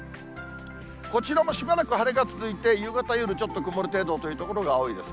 こちらもしばらく晴れが続いて、夕方、夜、ちょっと曇る程度という所が多いです。